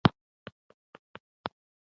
پښتو ژبه مو په دې پوهه کې مرسته کوي.